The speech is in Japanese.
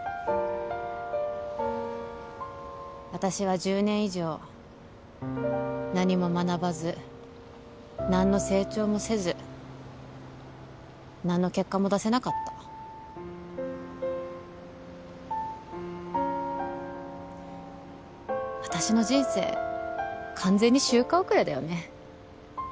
私は１０年以上何も学ばず何の成長もせず何の結果も出せなかった私の人生完全に周回遅れだよね